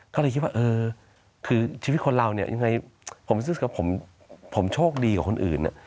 ก็เลยคิดว่าเออคือชีวิตคนเราเนี่ยยังไงผมรู้สึกว่าผมโชคดีกว่าคนอื่น